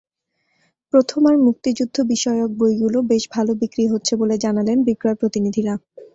প্রথমার মুক্তিযুদ্ধবিষয়ক বইগুলো বেশ ভালো বিক্রি হচ্ছে বলে জানালেন বিক্রয় প্রতিনিধিরা।